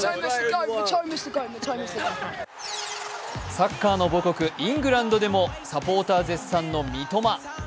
サッカーの母国イングランドでもサポーター絶賛の三笘。